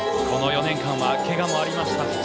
この４年間はけがもありました